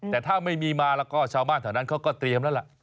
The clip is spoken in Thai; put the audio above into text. แต่ถ้าไม่มีมาแล้วก็ชาวบ้านแถวนั้นเขาก็เตรียมแล้วล่ะ